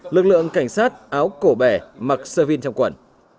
lực lượng cảnh sát áo cổ bẻ mặc sơ vin trong quần